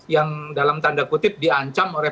yang dalam tanda kutip diancam oleh